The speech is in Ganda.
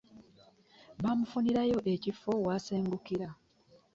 Bamufunira ekifo wasengukira.